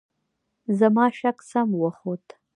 زما شک سم وخوت .